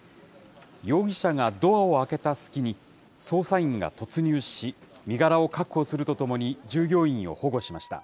容疑者がドアを開けた隙に、捜査員が突入し、身柄を確保するとともに従業員を保護しました。